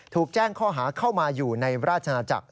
ถูกแจ้งข้อหาเข้ามาอยู่ในราชนาจักร